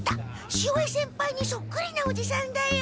潮江先輩にそっくりなおじさんだよ。